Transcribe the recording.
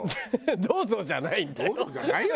「どうぞ」じゃないんだよ。